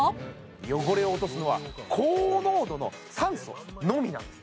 汚れを落とすのは高濃度の酸素のみなんです